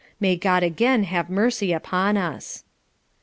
May God again have mercy upon us!'